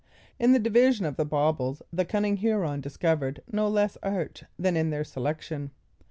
In the division of the baubles the cunning Huron discovered no less art than in their selection.